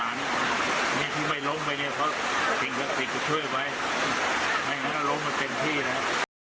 ไม่งั้นลงมาเต็มที่แล้ว